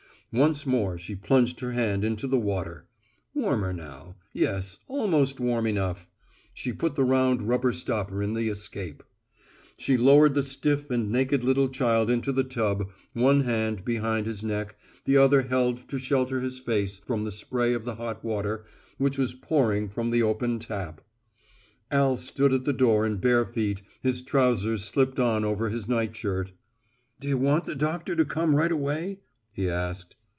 Once more she plunged her hand into the water. Warmer now, yes, almost warm enough. She put the round rubber stopper in the escape. She lowered the stiff and naked little child into the tub, one hand behind his neck, the other held to shelter his face from the spray of the hot water which was pouring from the open tap. Al stood at the door in bare feet, his trousers slipped on over his nightshirt. "D'you want the doctor to come right away?" he asked.